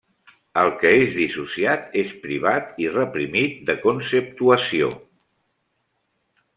El que és dissociat és privat i reprimit de conceptuació.